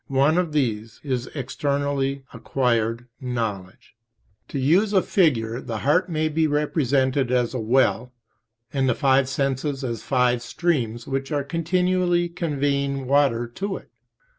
One of these is externally acquired knowledge. To use a figure, the heart may be represented as a well, and the five senses as five streams which are continually conveying water to it.